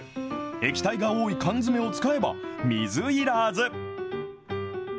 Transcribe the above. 液体が多い缶詰を使えば、水いらず。